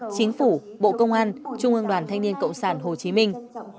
chính phủ bộ công an trung ương đoàn thanh niên cộng sản hồ chí minh